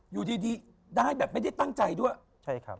อยู่ดีได้แบบไม่ได้ตั้งใจด้วย